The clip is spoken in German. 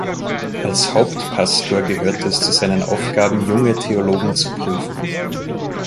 Als Hauptpastor gehörte es zu seinen Aufgaben, junge Theologen zu prüfen.